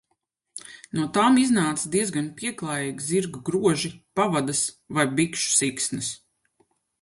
No tām iznāca diezgan pieklājīgi zirgu groži, pavadas vai bikšu siksnas.